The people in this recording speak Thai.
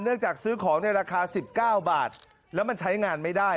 จากซื้อของในราคา๑๙บาทแล้วมันใช้งานไม่ได้